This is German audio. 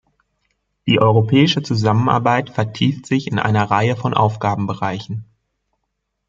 Die europäische Zusammenarbeit vertieft sich in einer Reihe von Aufgabenbereichen.